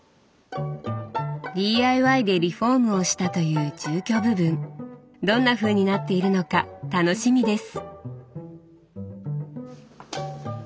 ＤＩＹでリフォームをしたという住居部分どんなふうになっているのか楽しみです。